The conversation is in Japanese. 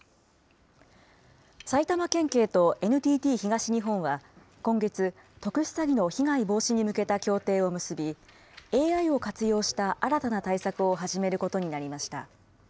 埼玉県警とＮＴＴ東日本は、今月、特殊詐欺の被害防止に向けた協定を結び、ＡＩを活用した新たな対策を始めることになりました。